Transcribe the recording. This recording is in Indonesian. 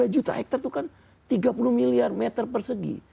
tiga juta hektare itu kan tiga puluh miliar meter persegi